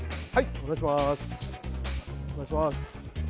お願いします。